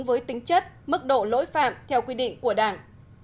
với tính chất mức độ lỗi phạm theo quy định của đảng